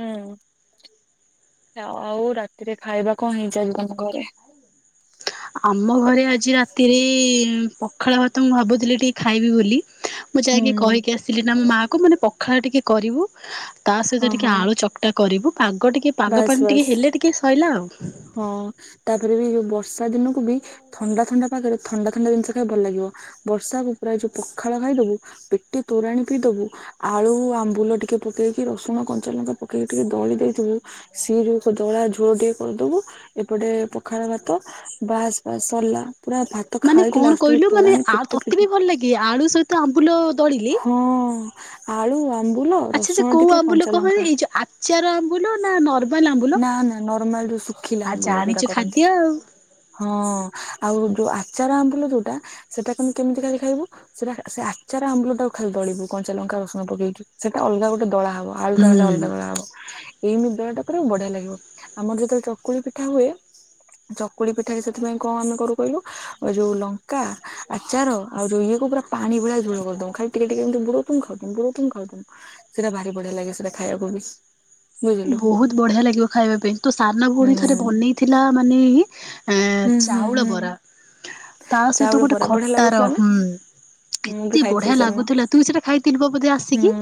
ହୁଁ। ଆଉ ରାତିରେ ଖାଇବା କଣ ହେଇଚି ଆଜି ତମ ଘରେ? ଆମ ଘରେ ଆଜି ରାତିରେ ପଖାଳ ଭାତ ମୁଁ ଭାବୁଥିଲି ଟିକେ ଖାଇବି ବୋଲି ମୁଁ ହୁଁ ଯାଇକି କହିକି ଆସିଲି ମୋ ମା କୁ କୁ ମାନେ ପଖାଳ ଟିକେ କରିବୁ ତା ହଁ ସହିତ ଟିକେ ହଁ ଆଳୁ ଚକଟା କରିବୁ। ପାଗ ଟିକେ ପାଗ ବାସ୍ ପାଣି ଟିକେ ବାସ୍ ହେଲେ ଟିକେ ସଇଲା ଆଉ। ହଁ ତାପରେ ବି ଯୋଉ ବର୍ଷ ର୍ଷା ଦିନକୁ ବି ଥଣ୍ଡା ଥଣ୍ଡା ପାାଗରେ ଥଣ୍ଡା ଥଣ୍ଡା ଜିନିଷ ଖାଇବାକୁ ଭଲ ଲାଗିବ ବର୍ଷାକୁ ପୁରା ଯୋଉ ପଖାଳ ଭା ଇଦବୁ ପେଟେ ତୋରାଣି ପିଇଦବୁ, ଆଳୁ ଆମ୍ବୁଲ ଟିକେ ପକେଇକି ରସୁଣ କଞ୍ଚାଲଙ୍କା ପକେଇ ଟିକେଏ ଦଳି ଦେଇଥିବୁ, ସେ ଯଉ ଦଳା ଝୋଳ ଟିକେ କରିଦେବୁ। ଏପଟେ ପଖାଳ ଭାତ, ବାସ ବାସ ସରିଲା ପୁରା ଭା ମାନେ କଣ କହିଲୁ ମାନେ ଆ ତୋତେ ବି ଭଲ ଲାଗେ ଆଳୁ ସହିତ ଆମ୍ବୁଲ ଦଳିଲେ ହଁ ଆଳୁ ଆ ଆଚ୍ଛା ସେ କୋଉ ଆମ୍ବୁଲ କହ ଏଇ ଯୋ ଆଚାର ଆମ୍ବୁଲ ନା ନର୍ ନା ନା ନର୍ମାଲ ଯୋଉ ଶୁଖିଲା ଆ ଅମ୍ବୁଲ ଯୋଉଟା ଜାଣିଛୁ କରନ୍ତି ଖାଦ୍ୟ ଆଉ ହଁ। ଆଉ ଯୋଉ ଆଚାର ଆମ୍ବୁଲ ଯୋଉଟା ସେଟାକୁ ତମେ କେମିତି ଖାଲି ଖାଇବ ସେଟା ସେ ଆଚାର ଆମ୍ବୁଲ ଟାକୁ ଖାଲି ଦଳିବୁ କଣଞ୍ଚା ଲଙ୍କା ରସୁଣ ପକେଇକି ସେଟା ଅଲଗ ଗୋଟ ଦଳା ହବ। ଆଳୁ ଟା ହୁଁ ଅଲଗା ଦଳା ହେବ ଏମିତି ଦଳା ଟା କରେ ବଢିଆ ଲାଗିବ ଆମର ଯେତେବେଳେ ଚକୁଳି ପିଠା ହୁଏ ଚକୁଳି ପିଠା କି ସେଥିପାଇଁ କଣ ଆମେ କରୁ କହିଲୁ ଯୋଉ ଲଙ୍କା ଆଚାର ଆଉ ଯୋଉ ଇଏ କୁ ପୁରା ପାଣି ଭଳିଆ କରିଦଉ ଖାଲି ଟିକେ ଟିକେ ଏମିତି ବୁଡଉଥିବୁ ଖାଉଥିବୁ ବୁଡଉଥିବୁ ଖାଉଥିବୁ ସେଇଟା ଭାରି ବଢିଆ ଲାଗେ ସେଟା ଖା [inaudible] ବହୁତ ବଢିଆ ଲାଗିବ ଖାଇବା ପାଇଁ, ତୋ ସାନ ଭଉଣୀ ଥରେ ବନେଇଥିଲା ମାନେ ଏ ହୁଁ ହୁଁ ଚାଉଳ ହୁଁ ବରା ତା ସହିତ ଚାଉଳ ଗୋଟେ ବରା ବଢିଆ ଖଟାର ଲାଗୁଥିଲା ନା ହୁଁ। ମୁଁ ବି କେତେ ଖାଇଥିଲି ବଢିଆ ସେଦିନ ଲାଗୁଥିଲା ତୁ ସେଟା ଖାଇଥିଲୁ ବ ବୋଧେ ହୁଁ ଆସିକି।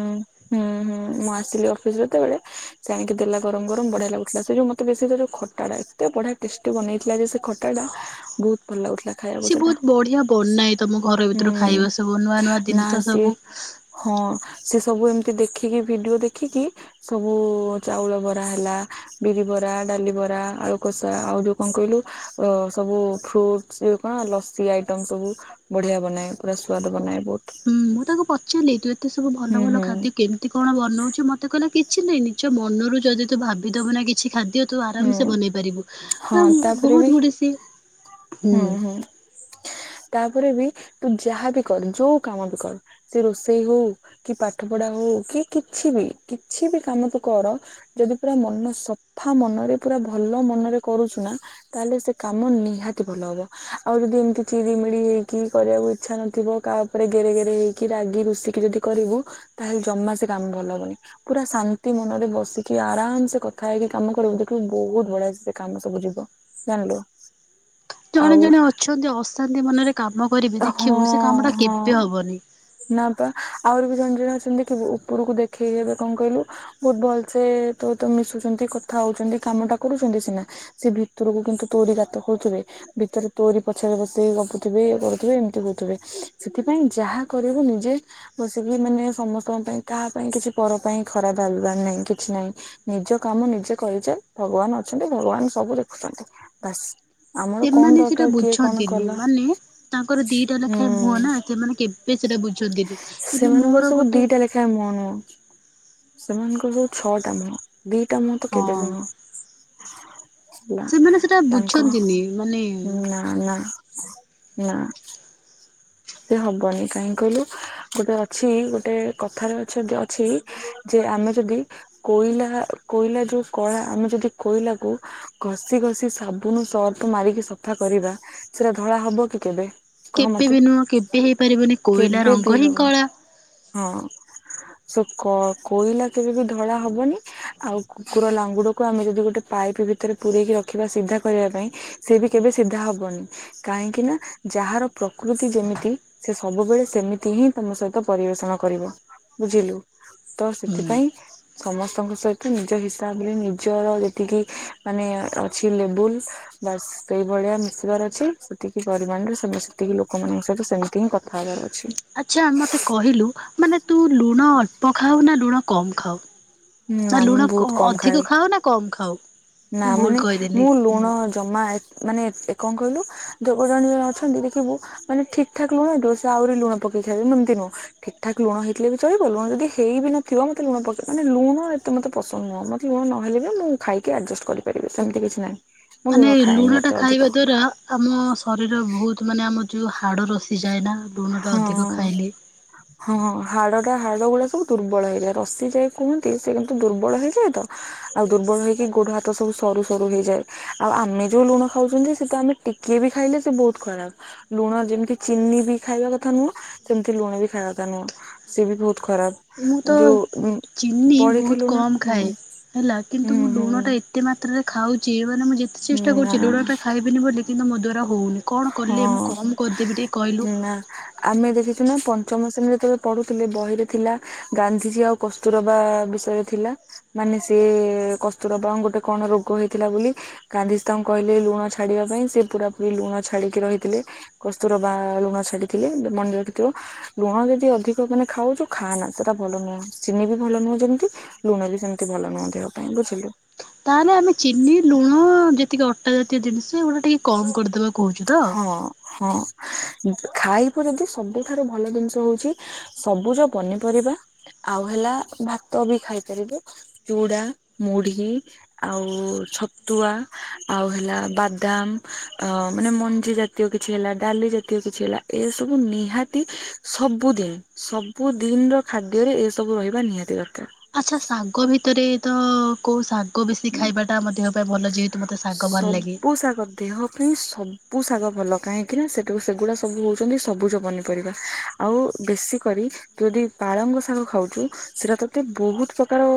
ହୁଁ ହୁଁ ମୁଁ ଆସିଲି ଅଫିସ ଯେତେବେଳେ ସେ ଆଣିକି ଦେଲା ଗରମ ଗରମ ବଢିଆ ଲାଗୁଥିଲା। ସେ ଯୋଉ ମତେ ବେଶୀ ସେ ଯୋଉ ଖଟା ଟା ଏତେ ବଢିଆ ଟେଷ୍ଟି ବ ନେଇଥିଲା ଯେ ସେ ଖଟା ଟା ବହୁତ ଭଲ ଲାଗୁଥିଲା। ଖାଇବାକୁ ସିଏ ସେଟା ବହୁତ ବଢିଆ ବନାଏ ତମ ଘର ହୁଁ ଭିତରୁ ଖାଇବା ସବୁ ନୂଆ ନୂଆ ନା ଜିନିଷ ସିଏ ସବୁ। ହଁ, ସେ ସବୁ ଏମିତି ଦେଖିକି ଭିଡ଼ିଓ ଦେଖିକି ସବୁ ଚାଉଳ ବରା ହେଲା ବିରି ବରା ଡାଲି ବରା ଆଳୁକଷା ଆଉ ଯୋଉ କ'ଣ କହିଲୁ ଅ ସବୁ ଫ୍ରୁଟସ୍ ଇଏ କ'ଣ ଲସି ଆଇଟମ ସବୁ ବଢିଆ ବନାଏ ପୁରା ସୁଆଦ ବନାଏ ବହୁତ। ହୁଁ ମୁଁ ତାକୁ ପଚାରିଲି ତୁ ଏତେ ସବୁ ଭଲ ହୁଁ ଭଲ ହୁଁ। ଖାଦ୍ୟ କେମିତି କ'ଣ ବନଉଛି ମତେ କହିଲା କିଛି ନାଇଁ ନିଜ ମନରୁ ଯଦି ତୁ ଭାବିଦବୁ ନା କିଛି ଖାଦ୍ୟ ତୁ ଆରାମ ସେ ହୁଁ ବନେଇ ପାରିବୁ ହଁ ତାପରେ ବହୁତ ବି ଗୁଡି ସିଏ ହୁଁ, ହୁଁ। ତାପରେ ବି ତୁ ଯାହା ବି କର ଯୋଉ କାମ ବି କର ସେ ରୋଷେଇ ହଉ କି ପାଠ ପ ଢା ହଉ କି କିଛି ବି କିଛି ବି କାମ ତୁ କର ଯଦି ପୁରା ମନ ସଫା ମନରେ ପୁରା ଭଲ ମନରେ କରୁଛୁ ନା ତାହେଲେ ସେ କାମ ନିହା କି ଭଲ ହବ ଆଉ ଯଦି ଏମିତି ଚିରିମିଳି ହେଇକି କରିବାକୁ ଇଚ୍ଛା ନଥିବ କା ଉପରେ ଗେରେ ଗେରେ ହେଇକି ରା ରାଗି ରୁଷିକି ଯଦି କରିବୁ ତାହେଲେ ଜମା ସେ କାମ ଭଲ ହବନି। ପୁରା ଶାନ୍ତି ମନରେ ବସିକି ଆ ଆରାମ ସେ କଥା ହେଇକି କାମ କରିବୁ ଦେଖିବୁ ବହୁତ ବଢିଆ ସେ କାମ ସବୁ ଯିବ ଜାଣିଲୁ। ଜଣେ ଆଉ ଜଣେ ଅଛନ୍ତି ଅଶାନ୍ତି ମନରେ କାମ କରିବି ହଁ ଦେଖିବୁ ସେ କାମ ଟା କେବେ ହଁ ହବନି। ନା ପା ଆହୁରି ବି ଜଣେ ଜଣେ ଅଛନ୍ତି କି ଉପରକୁ ଦେଖେଇ ହେବେ କ'ଣ କହିଲୁ ବହୁତ ଭଲସେ ତୋ ତ ମିଶୁ ତ ସେମିତି କଥା ହଉଛନ୍ତି କାମ ଟା କରୁଛନ୍ତି ସିନା ସେ ଭିତରକୁ କିନ୍ତୁ ତୋରି ଗାତ ଖୋଳୁଥିବେ। ଭିତରେ ତୋରି ପଛରେ ବସିକି ଗପୁଥିବେ ଇଏ କରୁ କିଏ ଏମତି ହଉଥିବେ ସେଥିପାଇଁ ଯାହା କରିବୁ ନିଜେ ବସିକି ମାନେ ସମସ୍ତଙ୍କ ପାଇଁ କାହା ସା ପାଇଁ କିଛି ପର ପାଇଁ ଖରାପ ଭାବିବାର ନାଇଁ କିଛି ନାଇଁ ନିଜ କାମ ନିଜେ କରିଛେ ଭଗବାନ ଅଛନ୍ତି ଭ ଭଗବାନ ସବୁ ଦେଖୁଛନ୍ତି ବାସ୍। ଆମର କଣ ସେମାନେ ସେଟା ଦରକାର କିଏ କଣ ବୁଝନ୍ତିନି କଲା ମାନେ ତାଙ୍କର ଦିଟା ହୁଁ ଲେଖାଏ ମୁୁହଁ ନା ସେମାନେ କେବେ ସେଟା ବୁଝନ୍ତିନି କିନ୍ତୁ ସେମାନଙ୍କର ମୋର ସବୁ ଗୋଟେ ଦିଟା ଲେଖାଏଁ ମୁହଁ ସେମାନଙ୍କର ସବୁ ଛଅଟା ମୁହଁ ଦିଟା ମୁହଁ ତ ହଁ କେବେ ବି ନୁହଁ। ନା, ସେମାନେ ସେଟା ତାଙ୍କ ବୁଝନ୍ତିନି ମାନେ ନା, ନା ନାଁ। ସେ ହବନି କାହିଁକି କହିଲୁ ଗୋଟେ ଅଛି ଗୋଟେ କଥାରେ ଅଛନ୍ତି ଅଛି ଯେ ଆମେ ଯଦି କୋଇଲା କୋଇଲା ଯୋଉ କଳା ଆମେ ଯଦି କୋଇଲାକୁ ଘଷି ଘ ସେ ସାବୁନ ସର୍ଫ ମାରିକି ସଫା କରିବା ସେରା ଧଳା ହବ କି କେବେ? କହ କେବେ ମତେ ବି ନୁହଁ କେବେ ହେଇପାରିବନି କୋଇଲା କେବେ ବି ରଙ୍ଗ ହିଁ ହବ କଳା। ହଁ ସେ କ କୋଇଲା କେବେ ବି ଧଳା ହବନି। ଆଉ କୁକୁର ଲାଙ୍ଗୁଡକୁ ଆମେ ଯଦି ଗୋଟେ ପାଇପି ଭିତରେ ପୁରରେଇକି ରଖିବା ସିଧା କରିବା ପାଇଁ ସେ ବି କେବେ ସିଧା ହବନି କାହିଁକି ନା ଯାହାର ପ୍ରକୃତି ଯେମି ତି ସେ ସବୁବେଳେ ସେମିତି ହିଁ ତମ ସହିତ ପରିବେଷଣ କରିବ। ବୁଝିଲୁ, ତ ହୁଁ ସେଥିପାଇଁ ସମସ୍ତଙ୍କ ସହିତ ନିଜ ହିସାବରେ ନିଜର ଯେତି କି ମାନେ ଅଛି ଲେବୁଲ ବାସ୍ ସେଇ ଭଳିଆ ମିଶିବାର ଅଛି ସେତିକି ପରିମାଣ ରେ ସେମା ସେତିକି ଲୋକମାନଙ୍କ ସହିତ ସେମିତି ହିଁ କଥା ହେବାର ଅଛି। ଆଚ୍ଛା, ମତେ କହିଲୁ ମାନେ ତୁ ଲୁଣ ଅଳ୍ପ ଖାଉ ନା ଲୁଣ କମ ଖାଉ? ନା ନାଁ ମୁଁ ଲୁଣ କ ଅଧିକ ଖାଅ ନାଁ କମ ଖାଅ? ନାଁ ମାନେ ମୁଁ ଲୁଣ ଜମା ଏ ମାନେ ଏ କଁ କହିଲୁ ଧୋଗୁ ଜଣିଏ ଅଛନ୍ତି ଦେଖିବୁ ମାନେ ଠିକ୍ ଠାକ୍ ଲୁଣ ହେଇଥିବ ସେ ଆହୁରି ଲୁଣ ପକେ ଇଠା ବି ମୁଁ ଏମତି ନୁହଁ ଠିକ୍ ଠାକ୍ ଲୁଣ ହେଇଥିଲେ ବି ଚଳିବ ଲୁଣ ଯଦି ହେଇ ବି ନଥିବ ମତେ ଲୁଣ ପକେ ମାନେ ଲୁଣ ଏତେ ମତେ ପସନ୍ଦ ନୁହଁ ମତେ ଲୁଣ ନହଲେ ବି ମୁଁ ଖାଇକି ଆଡଜଷ୍ଟ୍ କରିପାରିବି ସେମତି କିଛି ନାହିଁ। ମୁଁ ଲୁଣ ମାନେ ଖାଏନି ଲୁଣଟା ଏତେ ଅଧିକ ଖାଇବା ଦ୍ଵାରା ଆମ ଶରୀର ଭୋଉତ୍ ମାନେ ଆମ ଯୋଉ ହାଡ଼ ରସିିଯାଏ ନାଁ? ହଁ ହଁ। ହାଡ଼ଟା ହାଡ଼ ଗୁଡ଼ା ସବୁ ଦୁର୍ବଳ ହେଇଯାଏ ରସି ଯାଏ କୁହନ୍ତି ସେ କିନ୍ତୁ ଦୁର୍ବଳ ହେଇଯାଏ ତ ଆଉ ଦୁର୍ ବଳ ହେଇକି ଗୋଡ଼ ହାତ ସବୁ ସରୁ ସରୁ ହେଇଯାଏ। ଆଉ ଆମେ ଯୋଉ ଲୁଣ ଖାଉଚନ୍ତି ସେ ତ ଆମେ ଟିକିଏ ବି ଖାଇଲେ ସେ ବୋହୁତ୍ ଖରାପ ଲୁଣ ଯେମିତି ଚିନି ବି ଖାଇବା କଥା ନୁହଁ ସେମତି ଲୁଣ ବି ଖାଇଆ କଥା ନୁଅଁ ସିଏ ବି ଭୋଉତ ମୁଁ ତ ଖରାପ ଯୋଉ ଚିନି ବହୁତ ପଡି଼ଥିଲୁ ନାଁ? କମ୍ ଖାଏ। ହୁଁ। ହେଲା ହୁଁ କିନ୍ତୁ ମୁଁ ହୁଁ ଲୁଣଟା ଏତେ ମାତ୍ରାରେ ଖାଉଚି ମାନେ ମୁଁ ଯେତେ ହୁଁ ଚେଷ୍ଟା ନା କରୁଚି ଲୁଣଟା ଖାଇବିନି ବୋଲି କିନ୍ତୁ ମୋ ଦ୍ୱାରା ହଉନି କଣ କଲେ ମୁଁ ହଁ, କମ୍ କରିଦେବି ଟିକେ କହିଲୁ? ନାଁ ଆମେ ଦେଖିଚୁ ନାଁ ପଞ୍ଚମ ଶ୍ରେଣୀରେ ରତେବେ ପଢ଼ୁଥୁଲେ ବହିରେ ଥିଲା ଗାନ୍ଧିଜୀ ଆଉ କସ୍ତୁରବା ବିଷୟରେ ଥିଲା। ମାନେ ସିଏ ଏ କସ୍ତୁରବାଉଁ ଗୋଟେ କଣ ରୋଗ ହେଇଥିଲା ବୋଲି, ଗାନ୍ଧିଜୀ ତାଙ୍କୁ କହିଲେ ଲୁଣ ଛାଡ଼ିବା ପାଇଁ ସେ ପୁରାପୁରି ଲୁଣ ଛାଡି଼କି ରହିଥିଲେ କସ୍ତୁରବା ଲୁଣ ଛାଡ଼ିଥିଲେ ବେ ମନେ ରଖିଥିବୁ ଲୁଣ ଯଦି ଅଧିକ ମାନେ ଖାଉଚୁ ଖାଆନା ସେଟା ଭଲ ନୁହଁ। ଚିନି ବି ଭଲ ନୁହେଁ ଯେମତି, ଲୁଣ ବି ସେମିତି ଭଲ ନୁହଁ ଦେହ ପାଇଁ। ବୁଝିଲୁ? ତାହେଲେ ଆମେ ଚିନି ଲୁଣ ଯେତିକି ଅଟା ଜାତୀୟ ଦିନିଷ୍ ଯେ ଉଣ ଟିକେ କମ୍ କରିଦବା କୋହୁଚୁ ତ? ଉଁ ଖାଇବୁ ଯଦି ସବୁଠାରୁ ଭଲ ଦିନଷ ହୋଉଛି ସବୁଜ ପନିପରିବା। ଆଉ ହେଲା ଭାତ ବି ଖାଇପାରିବେ ଚୁଡ଼ା ମୁଢ଼ି ଆଉ ଛତୁଆ ଆଉ ହେଲା ବାଦାମ୍। ଅ ମାନେ ମଞ୍ଜି ଜାତୀୟ କିଛି ହେଲା ଡାଲି ଜାତୀୟ କିଛି ହେଲା ଏସବୁ ନିହାତି ସ ସବୁଦିନ୍ ସବୁଦିନ୍ ର ଖାଦ୍ୟରେ ଏ ସବୁ ରହିବା ନିହାତି ଦରକାର। ଆଚ୍ଛା ଶାଗ ଭିତରେ ତ କୋଉ ଶା କୋ ବେଶୀ ଖାଇବାଟା ଆମ ଦେହ ପାଇଁ ଭଲ ଯେହେତୁ ମୋତେ ଶାଗ ଭଲ ଲାଗେ। କାଇଁ ସବୁ ଶାଗ ଭଲ କାହିଁକି ନା ସେଠୁ ସେଗୁଡ଼ା ସବୁ ହୋଉଚନ୍ତି ସବୁଜ ପନିପରିବା ଆଉ ବେଶୀ କରି ଯଦି ପାଳଙ୍ଗ ଶାଗ ଖାଉଚୁ ସେଟା ତତେ ବୋହୁତ ପ୍ରକାର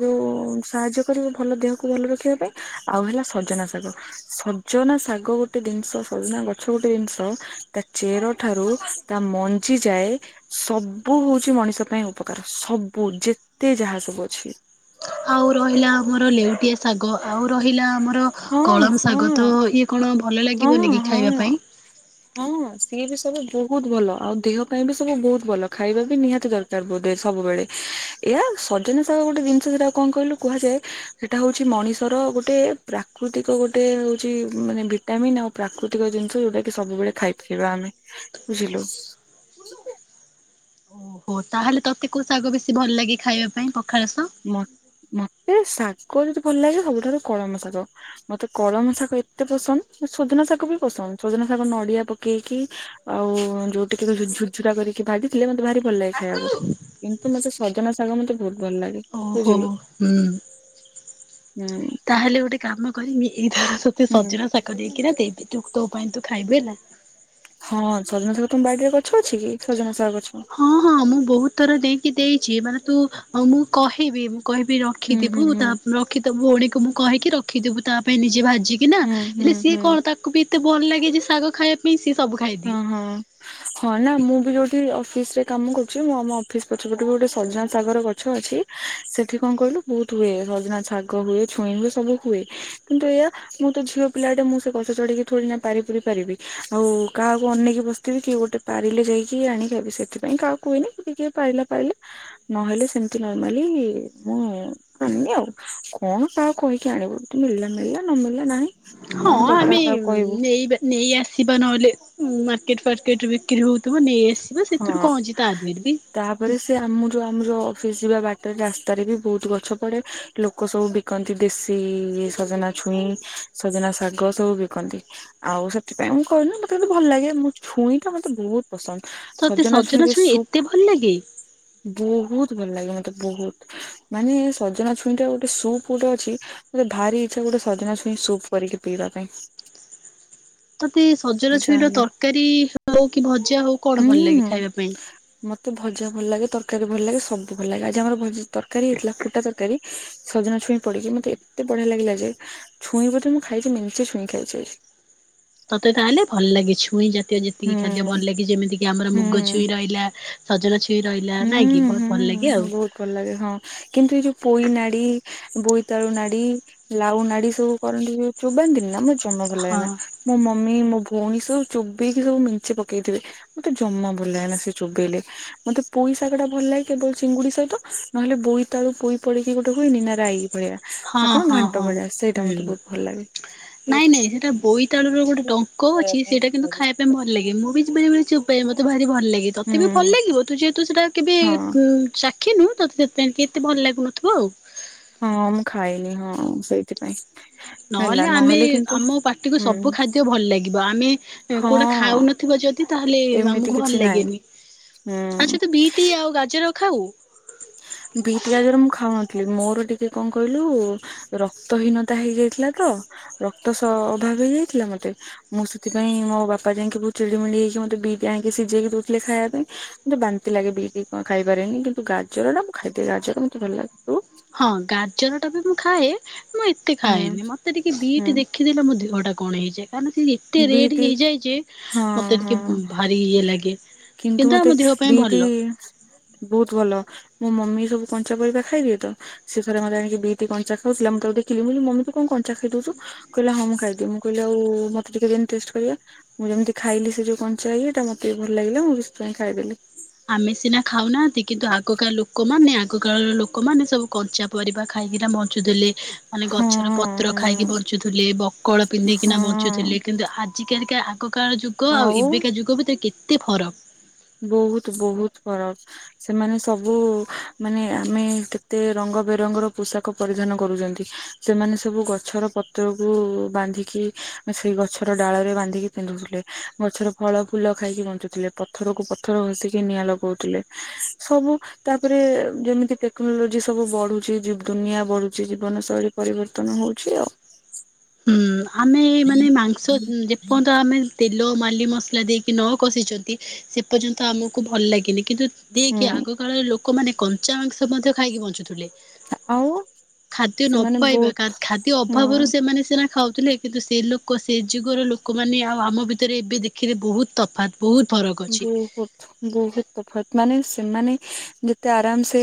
ଯୋଉ ଉଁ ସାହାଯ୍ୟ କରିବ ଭଲ ଦେହକୁ ଭଲ ରଖିବା ପାଇଁ ଆଉ ହେଲା ସଜନା ଶାଗ ସଜନା ଶାଗ ଗୋଟେ ଦିନଷ ସଜନା ଗଛ ଗୋଟେ ଜିନିଷ ତା ଚେର ଠାରୁ ତା ମଞ୍ଜି ଯାଏ ସବୁ ଉଚି ମଣିଷ ପାଇଁ ଉପକାର ସବୁ ଯେତେ ଯାହା ସବୁ ଅଛି। ଆଉ ରହିଲା ଆମର ଲେଉଟିଆ ଶାଗ ଆଉ ରହିଲା ଆମ ର ହଁ କଳମ ଶାଗ ତ ହଁ ଇଏ କଣ ଭଲ ହଁ ଲାଗିବନି କି ଖାଇବା ପାଇଁ? ଇଏ ବି ସବୁ ବୋହୁତ ଭଲ ଆଉ ଦେହ ପାଇଁ ବି ସବୁ ବୋହୁତ ଭଲ ଖାଇବା ବି ନିହାତି ଦରକାର ବୋଧେ ସବୁବେଳେ। ଏହା ସଜନା ସାଗ ଗୋଟେ ଦିନଷ ସେଟା କଁ କହିଲୁ କୁହାଯାଏ ହେଟା ହଉଛି ମଣିଷର ଗୋଟେ ପ୍ରା କୃତିକ ଗୋଟେ ହୋଉଛି ମାନେ ଭିଟାମିନ୍ ଆଉ ପ୍ରାକୃତିକ ଜିନିଷ ଯୋଉଟା କି ସବୁବେଳେ ଖାଇପାରିବା ଆମେ। ବୁଝିଲୁ ସୁ ଓ ତାହେଲେ ତତେ କୋଉ ଶାଗ ବେଶୀ ଭଲ ଲାଗେ ଖାଇବା ପାଇଁ ପଖାଳ ସହ ମ ମତେ ଶାଗ ଯଦି ଭଲ ଲାଗେ ସବୁଠାରୁ କଳମ ଶାଗ ମତେ କଳମ ଶାଗ ଏତେ ପସନ୍ଦ୍ ସଜନା ଶାଗ ବି ପସନ୍ଦ ସଜନା ଶାଗ ନଡ଼ିଆ ପକେଇକି ଆଉ ଯୋଉ ଟିକିକୁ ଝୁ ଝୁଝୁରା କରି କି ଭାଜିଥିଲେ ମତେ ଭାରି ଭଲ ଲାଗେ ଖାଇବାକୁ କିନ୍ତୁ ମତେ ସଜନା ଶାଗ ମତେ ବୋହୁତ ଭଲ ଲାଗେ। ଓହୋ ବୁଝିଲୁ ହୁଁ। ହୁଁ। ତାହେଲେ ଗୋଟେ କାମ କରିମି ଏଇଥର ତତେ ହୁଁ ସଜନା ଶାଗ ଦେଇକିନା ଦେବି ତୁ ତୋ ପାଇଁ ତୁ ଖାଇବୁ ହେଲା। ହଁ ସଜନା ସାଗ ତମ ବାଡି ରେ ଗଛ ଅଛି କି? ସଜନା ସାଗ ଗଛ? ହଁ ହଁ ମୁଁ ବହୁତ ଥର ଦେଇକି ଦେଇଛି ।ମାନେ ତୁ, ମୁଁ କହିବି କହିବି ହୁଁ ରଖିଥିବୁ। ହୁଁ ହୁଁ ତା ରଖିଥବୁ, ଉଣୀକୁ ମୁଁ କହିକି ରଖିଥିବୁ। ତା ପାଇଁ ନିଜେ ଭାଝି ଚିକିନା, ହୁଁ ହୁଁ ହେଲେ ସିଏ ହୁଁ କଣ, ତାକୁ ବି ଏତେ ଭଲ ଲାଗେ ନା ଯେ ଶାଗ ଖାଇବା ପାଇଁ। ସବୁ ହଁ ଖାଇଦିଏ। ହଁ। ହଁ ନା ମୁଁ ବି ଯୋଉଠି ଅଫିସ ରେ କାମ କରୁଛି, ମୁଁ ଆମ ଫ୍ରିଜ୍‌ ପଛପଟକୁ ଗୋଟେ ସଜାନା ସାଗର ଗ ଛ ଅଛି, ସେଠି କଣ କହିଲୁ ବହୁତ ହୁଏ। ସଜନା ଶାଗ ହୁଏ, ଛୁଇଁ ହୁଏ ସବୁ ହୁଏ। କିନ୍ତୁ ଏ ମୁଁ ତ ଝିଅ ପିଲାଟେ। ମୁଁ ସେ ଗଛ ଚଢିକି ଥୋଡ଼ି ନା ପାରି ପୁରି ପାରିବି, ଆଉ। କାହାକୁ ଅନେଇକି ବସିଥିବି, କି ଗୋଟେ ପାରିଲେ ଯାଇକି ଆଣି ବି ସେଥିପାଇଁ କାହାକୁ ହୁଏନି। ଯଦି କିଏ ପାରିଲା ପାଇଲା। ନହେଲେ ସେମତି ନର୍ମାଲି, ମୁଁ ଆଣିବ୍ ଆଉ କଣ କାହାକୁ କହିକି ଆଣିବୁ। ଯୋଉଠି ମିଳିଲା, ମିଳିଲା ନ ମିିଳିଲା ନାଇଁ। ହଁ ଆମେ ନେଇବା, ନେଇ ଆସିବା ନହେଲେ, ମାର୍କେଟ ଫାର୍କେଟ ବିକ୍ରି ହଉ ହଁ ବି ତାପରେ ସେ ଆମର, ଆମର ଅଫିସ୍ ଯିବା ବାଟରେ ରାସ୍ତାରେ ବି ବହୁତ ଗଛ ପଡେ, ଲୋକ ସବୁ ବିକନ୍ତି ଦେଶୀ ସଜନା ଛୁଇଁ ସଜନା ଶାଗ ସବୁ ବିକନ୍ତି ।ଆଉ ସେଥିପାଇଁ ମୁଁ କହିଲି ମତେତେ ଭଲ ଲାଗେ ମୁଁ ଛୁଇ ଟା ମତେ ବହୁତ ପସନ୍ଦ। ତତେ ସଜନା ଛୁଇଁରେ ଛୁଇଁ ଏତେ ସୁପ୍ ଭଲ ଲାଗେ? ବହୁତ ଭଲ ଲାଗେ ମତେ ବହୁତ, ମାନେ ସଜନା ଛୁଇଁଟା ଗୋଟେ ସୁପ୍ ଗୋଟେ ଅଛି ମତେ ଭାରି ଇଚ୍ଛା ଗୋଟେ ସଦନା ଛୁଇଁ ସୁପ୍ କରିକି ପିଇବା ପାଇଁ। ତତେ ସଜନା ଛୁଇଁ ର ଜାଣିଲ ତରକାରୀ ହଉ କି ଭ ଜା, ହଉ କଣ ଭଲ ଲାଗେ ହୁଁ। ଖାଇବା ପାଇଁ? ମତେ ଭଜା ଭଲ ଲାଗେ, ତରକାରୀ ଭଲ ଲାଗେ, ସବୁ ଭଲ ଲାଗେ ।ଆଜି ଆମର ତରକାରୀ ହେଇଥିଲା ଫୁଟା ତରକାରୀ ସଜନା ଛଇଁ ପଢିକି ମତେ ଏତେ ବଢିଆ ଲାଗିଲା ଯେ, ଛୁଇଁ ବୋଧେ ମୁଁ ଖାଇଛି ମେଞ୍ଚେ ଛୁଇଁ ଖାଇଛି। ପୁଇଁ ଜାତୀୟ ଯେତିକି ଖାଦ୍ୟ ହୁଁ ଭଲ ଲାଗେ ।ଯେମିତିକି ଆମର ମୁଗ ହୁଁ। ଛୁଇଁ ରହିଲା ସଜନା ଛୁଇଁ ରହିଲା ନାଇଁ କି ହୁଁ ବହୁତ ଭଲ ହୁଁ ଲାଗେ ଆଉ ।ବହୁତ ଭଲ ଲାଗେ ।ହଁ କିନ୍ତୁ ଏଇ ଯୋଉ ପୋଇ ନାଡି, ବୋଇତାଳୁ ନାଡି, ଲାଉ ନାଡି ସବୁ କରନ୍ତି ଯୋଉ ଚୋବାନ୍ତିନିନା, ମୁ ଜମା ଭଲ ହଁ ଲାଗେନା। ମୋ ମମି ମୋ ଭଉଣୀ ସବୁ ଚୋବେଇକି ସବୁ ମେଞ୍ଚେ ପକେଇଥିବେ ।ମତେ ଜମା ଭଲ ଲାଗେନା ସେ ଚୋବେଇଲେ। ମୋତେ ପୋଇ ଶାଗଟ ଟା ଭଲ ଲାଗେ କେବଳ ଚିଙ୍ଗୁଡି ସହିତ ।ନହେଲେ ବୋଇ ତାଳୁ ପୋଇ ପଡିକି ଗୋଟେ ହୁଏ ନି ନା ରାଇ। ଭଳିଆ ହଁ ନା କଣ ହଁ ଘାଣ୍ଟ ହଁ ଭଳିଆ। ସେଇଟା ମତେ ହୁଁ। ବହୁତ ଭଲ ଲାଗେ। ନାଇଁ, ନାଇଁ ସେଇଟା ବୋଇତାଳୁ ର ଗୋଟେ ଡଙ୍କ ଅଛି, ସେଇଟା କିନ୍ତୁ ଖାଇବା ପାଇଁ ଭଲ ଲାଗେ। ମୁଁ ବି ବେଳେ ବେଳେ ଚୋବାଏ ମତେ ଭାରି ଭଲ ଲାଗେ, ତଥାବି ଭଲ ହୁଁ ଲାଗିବ ତୁ ଯେହେତୁ ସେଟା କେବେ ହଁ ଚା ଖିନୁ, ତୋତେ ସେଥିପାଇଁ ଏତେ ଭଲ ଲାଗୁନଥିବ ଆଉ। ହଁ ମୁଁ ଖାଇନି ।ହଁ ସେଇଥିପାଇଁ। ହେଲା ନହେଲେ ଆମେ କିନ୍ତୁ ଆମ ପାଟିକୁୁ ସବୁ ହୁଁ ଖାଦ୍ୟ ଭଲ ଲାଗିବ ।ଆମେ କୋଉଟା ହଁ ଖାଉନଥିବ ଯଦି ତାହେଲେ ଏମିତି ଆମକୁ ଭଲ କିଛି ନାହିଁ। ଲାଗେନି ହୁଁ ।ଆଛା ତୁ ବିଟି ଆଉ ଗାଜର ଖାଉ? ବିଟ ଗାଜର ମୁ ଖାଉନ ନଥିଲି, ମୋର ଟିକେ କଣ କହିଲୁ? ସବୁ ରକ୍ତହିନତା ହେଇଯାଇଥିଲା ତ ରକ୍ତ ହେଇ ଯାଇଥିଲା ମତେ ମୁଁ ସେଥିପାଇ ମୋ ବାପା ଯାଇକି ବହୁତ ଚିଡ଼ିମିଡ଼ି ହେଇିକି ମତେ ବିଟ ଆଣି ସିଯେଇକି ଦଉଥିଲେ ଖାଇବା ପାଇଁ ମୋତେ ବାନ୍ତି ଲାଗେ, ବିଟ ଖାଇପାରେନି କିନ୍ତୁ ଗାଜର ଟା ମୁଁ ଖାଇଦିଏ, ଗାଜର ଟା ମତେ ଭଲ ଲାଗବୁ । ହଁ ଗାଜର ଟା ବି ମୁଁ ଖାଏ ମୁଁ ଏତେ ହୁଁ ଖାଏନି ।ମତେ ଟିକେ ବିଟ୍ ଦେଖିଦେଲେ ମୋ ଦେହଟା କଣ ହେଇଯାଏ। କାରଣ ସେ ହୁଁ ଏତେ ରେଡ ବିଟ୍ ହେଇଯାଏ ଯେ, ହଁ ମତେ ହଁ ଟିକେ ଭାରି ଇଏ ଲାଗେ। କିନ୍ତୁ ମତେ ଆମ ଦେହ ପାଇଁ ବିଟ୍ ଭଲ। ବହୁତ ଭଲ ମୋ ମମି ସବୁ କଞ୍ଚା ପରିବା ଖାଇବେ ତ, ସେ ଥରେ ମତେ ଆଣିକି ବିଟ୍ କଞ୍ଚା ଖାଉଥିଲା ମୁଁ ତାକୁ ଦେଖିଲି ମୁ ମମି ତୁ କଣ କଞ୍ଚା ଖାଇଦଉଚୁ। କହିଲା ହଁ ମୁଁ ଖାଇଦିଏ। ମୁଁ କହିଲି ଆଉ ଟିକେ ଦେନି ଟେଷ୍ଟ କରିବା, ମୁଁ ଯେମିତି ଖାଇଲି ସେ ଯଉ କଞ୍ଚା ଇଏଟା ମତେ ବି ଭଲ ଲାଗିଲା, ମୁଁ ସେଥିପାଇଁ ଖାଇଦେଲି। ଆମେ ସିନା ଖାଉନାହାନ୍ତି ।କିନ୍ତୁ ଆଗକାଳ ଲୋକମାନେ, ଆଗ କାଳର ଲୋକମାନେ ସବୁ କଞ୍ଚା ପରିବା ଖାଇ ଖାଇକିନା ବଞ୍ଚୁ ଥିଲେ। ମାନେ ହଁ ଗଛର ପତ୍ର ଖାଇକି ହଁ ବଞ୍ଚୁଥିଲେ ।ବକଳ ପିନ୍ଧିକିନା ହଁ ବଞ୍ଚୁଥିଲେ ।କିନ୍ତୁ ଚିକେନ କା ଆଗ କାଳ ଯୁଗ ଆଉ ଏବେକା ଯୁଗ ଭିତରେ କେତେ ଫରକ? ବୋହୁତ ବୋହୁତ ଫରକ ସେମାନେ ସବୁ ମାନେ ଆମେ କେତେ ରଙ୍ଗ ରଙ୍ଗ ବେରଙ୍ଗର ପୋଷାକ ପରିଧାନ କରୁଛନ୍ତି ସେମାନେ ସବୁ ଗଛର ପତ୍ରକୁ ବାନ୍ଧିକି ସେଇ ଗଛର ଡାଳ ରେ ବାନ୍ଧିକି ପିନ୍ଧୁଥିଲେ ଗଛର ଫଳ ଫୁଲ ଖାଇକି ବଞ୍ଚୁଥିଲେ। ପ ପଥର କୁ ପଥର ଘସିକି ନିଆଁ ଲଗାଉଥିଲେ ସବୁ ତାପରେ ଯେମିତି ଟେକ୍ନୋଲୋଜି ସ ସବୁ ବଢୁଛି ଦୁନିଆ ବଢୁଛି ଜୀବନ ଶୈଳୀ ପରିବର୍ତ୍ତନ ହଉଚି ଆଉ। ହୁଁ ଆମେ ମାନେ ମାଂସ ଯେପନ୍ତ ଆମେ ତେଲ ମାଲି ମସଲା ଦେଇକି ନ କଷିଛନ୍ତି ସେ ପର୍ଯ୍ୟନ୍ତ ଆମକୁ ଭଲ ଲାଗେନି, କିନ୍ତୁ ଦିଏକି ହୁଁ ଆଗ କାଳରେ ଲୋକମାନେ କଞ୍ଚା ମାଂସ ମଧ୍ୟ ଖାଇକି ବଞ୍ଚୁଥିଲେ। ଆଉ ଖାଦ୍ୟ ନ ସେମାନେ ପାଇବା ବହୁତ ଖାଦ୍ୟ ହୁଁ ଅଭାବରୁ ସେମିତି ସିନା ଖାଉଥିଲେ କିନ୍ତୁ ସେ ଲୋକ ସେ ଯୁଗର ଲୋକମାନେ ଆଉ ଆମ ଭିତରେ ଏବେ ଦେଖିଲେ ବହୁତ ତଫାତ୍। ବହୁତ ଫରକ ଅଛି। ବୋହୁତ ବୋହୁତ ତଫାତ୍, ମାନେ ସେମାନେ ଯେତେ ଆରାମ ସେ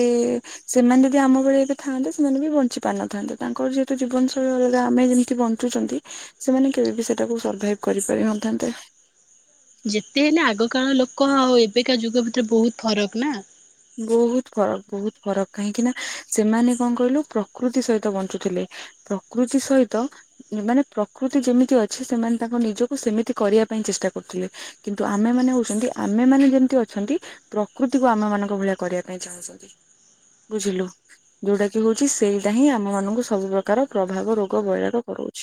ସେମାନେ ଯଦି ଆମ ଭଳେ ଏବେ ଥାଆନ୍ତେ ସେମାନେ ବି ବଞ୍ଚି ପାରିନଥାନ୍ତେ। ତାଙ୍କର ଯେହେତୁ ଜୀବନ ଶୈଳୀ ଆମେ ଯେମିତି ବଞ୍ଚୁଛନ୍ତି, ସେମାନେ କେବେ ବି ସେଟାକୁ ସର୍ଭାଇଭ କରିପା ଥାନ୍ତେ ଯେତେ ହେଲେ ଆଗ କାଳ ଲୋକ ଆଉ ଏବେକା ଯୁଗ ଭିତରେ ବୋହୁତ ଫରକ ନା। ବୋହୁତ ଫରକ ବୋହୁତ ଫରକ କାହିଁକି ନା ସେମାନେ କଣ କହିଲୁ ପ୍ରକୃତି ସହିତ ବଞ୍ଚୁଥିଲେ। ପ୍ରକୃତି ସହିତ ମାନେ ପ୍ରକୃତି ଯେମିତି ଅଛି ସେମାନେ ତାଙ୍କ ନିଜକୁ ସେମିତି କରିବା ଚେଷ୍ଟା କରୁଥିଲେ କିନ୍ତୁ ଆମେ ମାନେ ହଉଚନ୍ତି ଆମେ ମାନେ ଯେମିତି ଅଛନ୍ତି ପ୍ରକୃତି କୁ ଆମେ ମାନେ ଭଳି କରିବା ପାଇଁ ଚାହୁଁଛନ୍ତି। ବୁଝିଲୁ ଯୋଉଟା କି ହୋଉଚି ସେଇଟା ହିଁ ଆମ ମାନଙ୍କୁ ସବୁ ପ୍ରକାର ପ୍ରଭାବ ରୋଗ ବୈରାଗ କରାଉଚି।